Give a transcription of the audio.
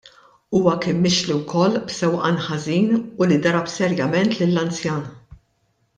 Huwa kien mixli wkoll b'sewqan ħażin u li darab serjament lill-anzjan.